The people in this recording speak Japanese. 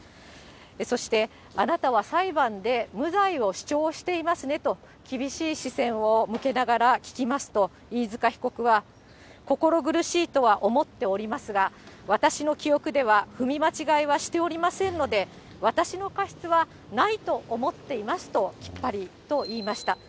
そして、あなたは裁判で無罪を主張していますねと、厳しい視線を向けながら聞きますと、飯塚被告は、心苦しいとは思っておりますが、私の記憶では踏み間違いはしておりませんので、私の過失はないと思っていますと、きっぱりと言いました。